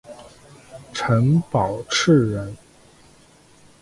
陈宝炽人。